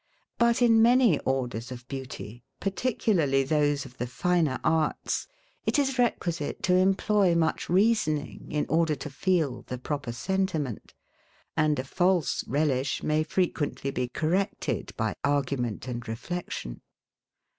But in many orders of beauty, particularly those of the finer arts, it is requisite to employ much reasoning, in order to feel the proper sentiment; and a false relish may frequently be corrected by argument and reflection.